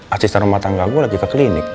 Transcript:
asisten rumah tangga aku lagi ke klinik